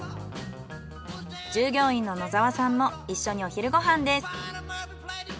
従業員の野沢さんも一緒にお昼ご飯です。